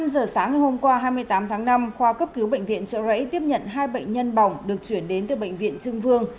năm giờ sáng ngày hôm qua hai mươi tám tháng năm khoa cấp cứu bệnh viện trợ rẫy tiếp nhận hai bệnh nhân bỏng được chuyển đến từ bệnh viện trưng vương